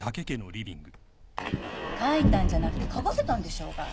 書いたんじゃなくて書かせたんでしょうが。